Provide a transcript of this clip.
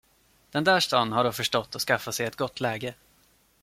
Den där staden har då förstått att skaffa sig ett gott läge.